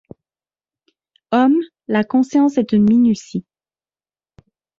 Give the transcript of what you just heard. Homme, la conscience est une minutie.